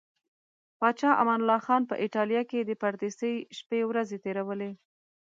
پاچا امان الله خان په ایټالیا کې د پردیسۍ شپې ورځې تیرولې.